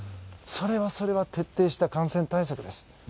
それはそれは徹底した感染対策です。